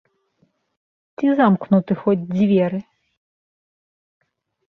Ці замкнуты хоць дзверы?